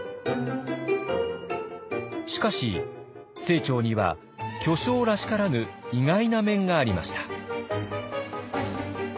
しかし清張には巨匠らしからぬ意外な面がありました。